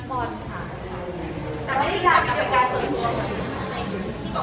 เป็นภาพจริงไหมคะ